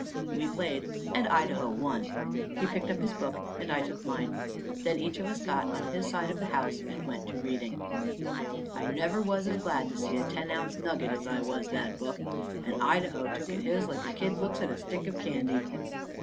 We played; and Idaho won. He picked up his book; and I took mine. Then each of us got on his side of the house and went to reading. I never was as glad to see a ten ounce nugget as I was that book. And Idaho took at his like a kid looks at a stick of candy.